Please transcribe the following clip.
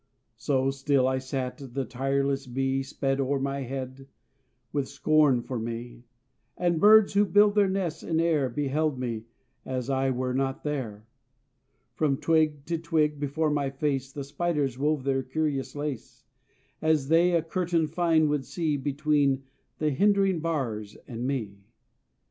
So still I sat, the tireless bee Sped o'er my head, with scorn for me, And birds who build their nests in air Beheld me, as I were not there. From twig to twig, before my face, The spiders wove their curious lace, As they a curtain fine would see Between the hindering bars and me.